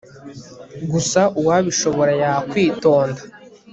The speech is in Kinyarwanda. gusa uwabishobora yakwitonda